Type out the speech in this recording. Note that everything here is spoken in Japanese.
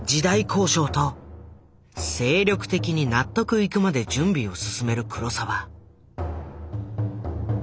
考証と精力的に納得いくまで準備を進める黒澤。